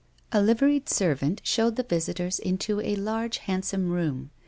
A liveried servant showed the visitors into a large, hand some room.